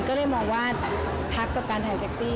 ก็เลยมองว่าพักกับการถ่ายเซ็กซี่